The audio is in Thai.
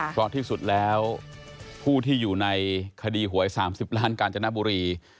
เพราะที่สุดแล้วผู้ที่อยู่ในคดีหวย๓๐ล้านกาญจนบุรี